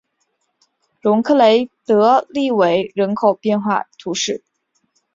容克雷德利韦人口变化图示